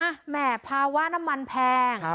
อ๊ะแม่ภาวะน้ำมันแพง